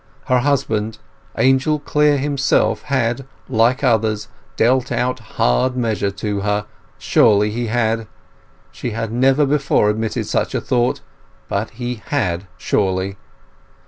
Her husband, Angel Clare himself, had, like others, dealt out hard measure to her; surely he had! She had never before admitted such a thought; but he had surely!